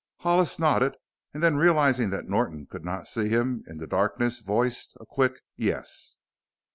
Hollis nodded and then realizing that Norton could not see him in the darkness, voiced a quick "yes".